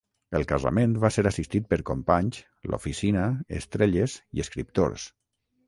El casament va ser assistit per companys "l'oficina" estrelles i escriptors.